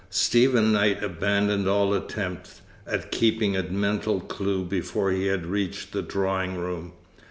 Stephen Knight abandoned all attempt at keeping a mental clue before he had reached the drawing room.